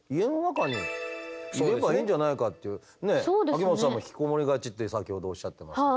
秋元さんも引きこもりがちって先ほどおっしゃってましたけど。